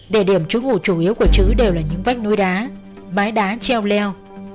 đề điểm trú ngủ chủ yếu của trứ đều là những vách núi đá mái đá treo leo